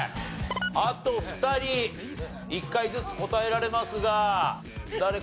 あと２人１回ずつ答えられますが誰か。